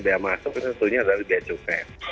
biaya masuk itu tentunya dari becukai